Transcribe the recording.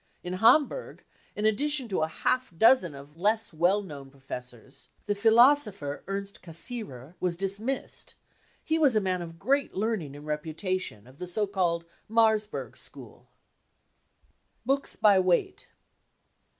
In Hamburg, in addition to a half dozen of less well known professors, the philosopher Ernst Cassirer was dismissed ; he was a man of great earning and reputation, of the so called Marburg school. Books by Weight.